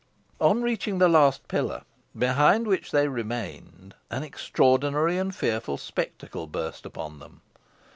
On reaching the last pillar, behind which they remained, an extraordinary and fearful spectacle burst upon them.